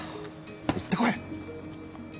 行って来い。